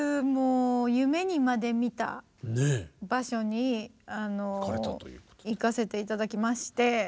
もう夢にまで見た場所に行かせて頂きまして。